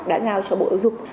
đã giao cho bộ ưu dục